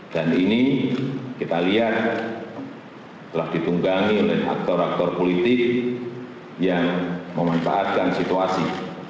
dan ini kita lihat telah ditunggangi oleh aktor aktor politik yang memanfaatkan situasi